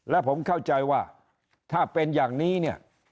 และผมเข้าใจว่าถ้าเป็นอย่างนี้เนี่ย